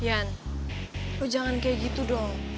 lo jangan kayak gitu dong